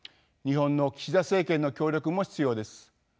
日本の岸田政権の協力も必要です。